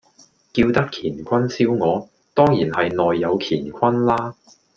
叫得乾坤燒鵝，當然係內有乾坤啦